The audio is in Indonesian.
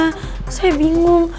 bisa saya bantu pak regar